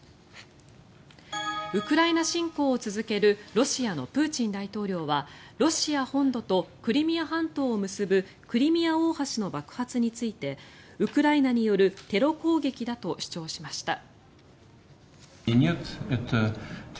ウクライナ侵攻を続けるロシアのプーチン大統領はロシア本土とクリミア半島を結ぶクリミア大橋の爆発についてウクライナによるテロ攻撃だと主張しました。